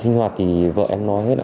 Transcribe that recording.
cái sinh hoạt thì vợ em nói hết ạ